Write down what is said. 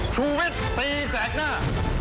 ชุวิตตีแสดหน้า